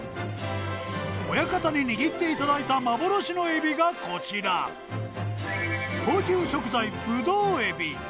親方に握っていただいた幻のエビがこちら高級食材ブドウエビさあ召し上がれ！